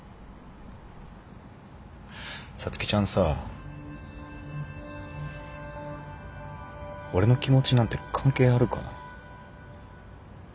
皐月ちゃんさ俺の気持ちなんて関係あるかな？